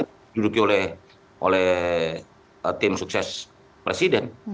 kepala negara itu diuduki oleh tim sukses presiden